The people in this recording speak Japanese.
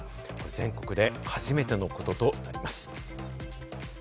全国で初めてのこととなります。